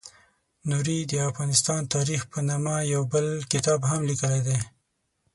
نوري د افغانستان تاریخ په نامه یو بل کتاب هم لیکلی دی.